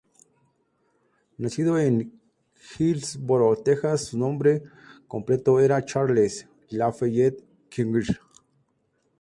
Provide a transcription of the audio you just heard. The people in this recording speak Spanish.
Nacido en Hillsboro, Texas, su nombre completo era Charles Lafayette King Jr.